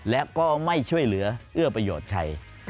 และก็ไม่ช่วยเหลือเอื้อประโยชน์ใคร